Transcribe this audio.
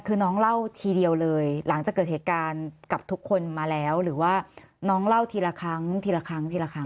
คือน้องเล่าทีเดียวเลยหลังจากเกิดเหตุการณ์กับทุกคนมาแล้วหรือว่าน้องเล่าทีละครั้งทีละครั้งทีละครั้ง